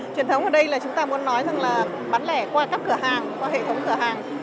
truyền thống ở đây là chúng ta muốn nói rằng là bán lẻ qua các cửa hàng qua hệ thống cửa hàng